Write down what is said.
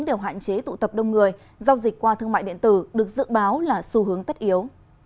đều hạn chế tụ tập đông người giao dịch qua thương mại điện tử được dự báo là xu hướng tất yếu